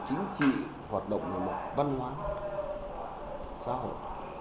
chính trị hoạt động về mặt văn hóa xã hội